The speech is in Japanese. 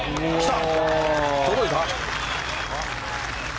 届いた。